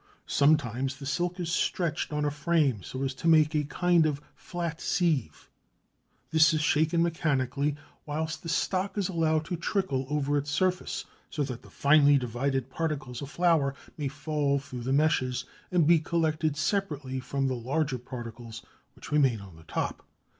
Sometimes the silk is stretched on a frame so as to make a kind of flat sieve. This is shaken mechanically whilst the stock is allowed to trickle over its surface, so that the finely divided particles of flour may fall through the meshes and be collected separately from the larger particles which remain on the top.